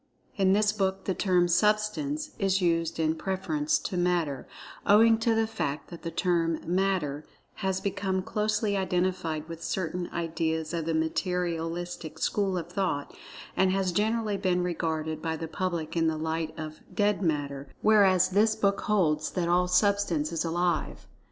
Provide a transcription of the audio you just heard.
In this book the term "Substance" is used in preference to "Mat[Pg 12]ter," owing to the fact that the term "Matter" has become closely identified with certain ideas of the Materialistic school of thought, and has generally been regarded by the public in the light of "dead matter," whereas this book holds that all Substance is Alive.